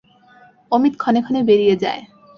অমিত ক্ষণে ক্ষণে বেরিয়ে যায়।